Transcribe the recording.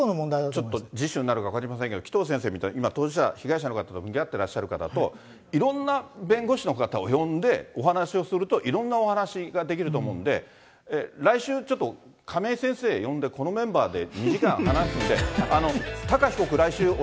ちょっとになるか分かりませんけれども、紀藤先生みたいに今、当事者、被害者の会と向き合ってらっしゃる方と、いろんな弁護士の方を呼んで、お話をするといろんなお話ができると思うんで、来週、ちょっと亀井先生呼んで、このメンバーで２時間話すんで、タカ被俺？